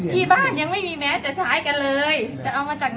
ที่บ้านยังไม่มีแม้จะท้ายกันเลยจะเอามาจากไหน